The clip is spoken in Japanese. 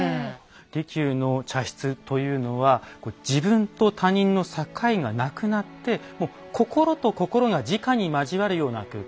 利休の茶室というのは自分と他人の境がなくなってもう心と心がじかに交わるような空間